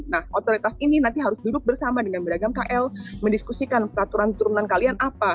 nah otoritas ini nanti harus duduk bersama dengan beragam kl mendiskusikan peraturan turunan kalian apa